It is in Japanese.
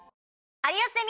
『有吉ゼミ』。